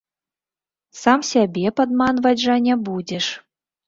Сам сябе падманваць жа не будзеш.